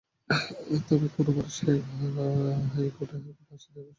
তবে কেন মানুষ হাইকোর্টে আসছেন, সেটা অনুসন্ধানযোগ্য বলে মনে করেন তিনি।